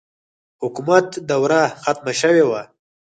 حکومت دوره ختمه شوې وه.